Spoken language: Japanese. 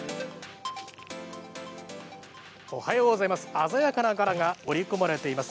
鮮やかな柄が織り込まれています。